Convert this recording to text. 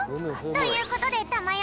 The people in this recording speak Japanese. ということでたまよ